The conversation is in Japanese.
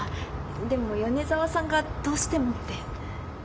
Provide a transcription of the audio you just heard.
でも米沢さんがどうしてもって。